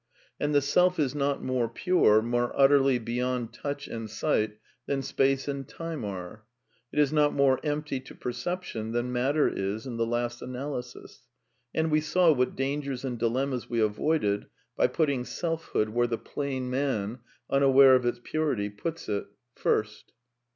And the self is not more pure, more utterly beyond touch and sight than space and time are. It is not more empty to perception than matter is in the last analysis. And we saw what dangers and dilemmas we avoided by putting self hood where the plain man (unaware of its purity) puts it — first.